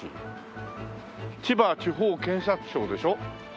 千葉地方検察庁でしょ？